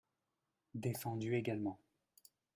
Défendu également.